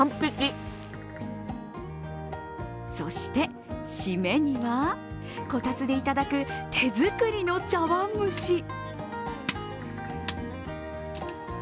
そして、締めにはこたつで頂く手作りの茶わん蒸し。